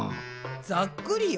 ざっくりよ。